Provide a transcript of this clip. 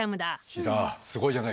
肥田すごいじゃないか。